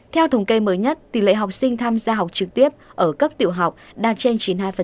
theo thống kê mới nhất tỷ lệ học sinh tham gia học trực tiếp ở cấp tiểu học đạt trên chín mươi hai